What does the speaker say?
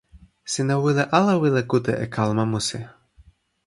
sina wile ala wile kute e kalama musi?